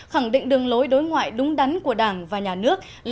khẳng định đường lối đối ngoại đúng đắn của đảng và nhà nước